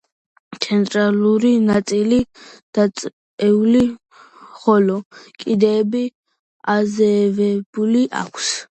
ცენტრალური ნაწილი დაწეული, ხოლო კიდეები აზევებული აქვს.